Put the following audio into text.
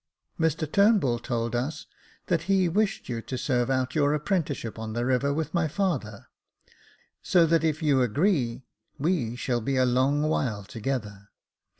Mr Turnbull told us that he wished you to serve out your apprenticeship on the river with my father, so that if you agree, we shall be a long while together.